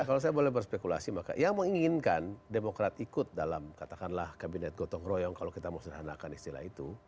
kalau saya boleh berspekulasi maka yang menginginkan demokrat ikut dalam katakanlah kabinet gotong royong kalau kita mau sederhanakan istilah itu